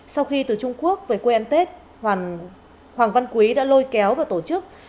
sau khi từ trung quốc về quê an tết hoàng văn quý đã lôi kéo vào tổ chức